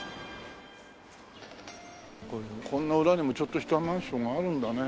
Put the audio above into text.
こんな裏にもちょっとしたマンションがあるんだね。